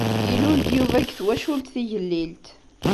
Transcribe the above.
Ilul-d Yuba deg twacult tigellilt.